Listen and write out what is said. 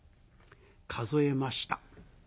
数えました。